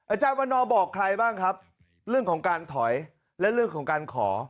อาจารย์วันนอบอกใครบ้างครับเรื่องของการถอยและเรื่องของการขอ